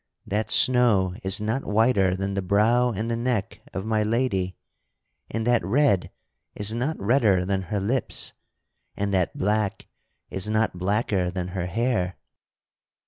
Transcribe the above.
that snow is not whiter than the brow and the neck of my lady; and that red is not redder than her lips; and that black is not blacker than her hair."